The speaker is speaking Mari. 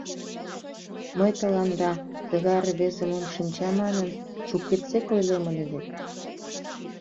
Мый тыланда, тыгай рвезе мом шинча манын, шукертсек ойлем ыле вет.